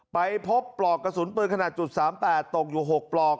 ไปพบปลอกกระสุนปืนขนาด๓๘ตกอยู่๖ปลอก